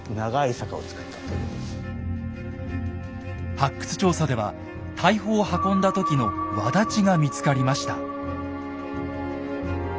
発掘調査では大砲を運んだ時のわだちが見つかりました。